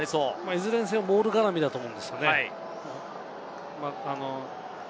いずれにせよモールがらみだと思うんですよね。